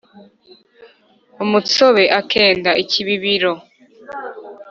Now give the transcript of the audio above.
umutsobe akenda ikibíbiro